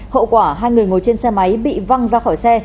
hậu quả hai người ngồi trên xe máy bị văng ra khỏi xe